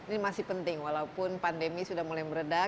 ini masih penting walaupun pandemi sudah mulai meredah